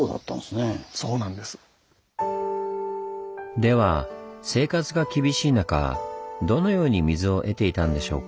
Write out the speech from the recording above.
では生活が厳しい中どのように水を得ていたんでしょうか。